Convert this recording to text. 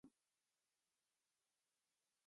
纽芬兰犬。